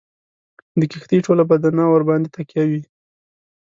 د کښتۍ ټوله بدنه ورباندي تکیه وي.